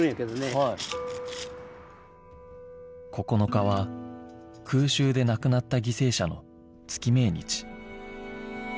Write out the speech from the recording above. ９日は空襲で亡くなった犠牲者の月命日